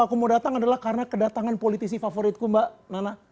aku mau datang adalah karena kedatangan politisi favoritku mbak nana